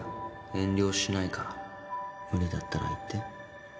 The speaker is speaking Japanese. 遠慮しないから無理だったら言って。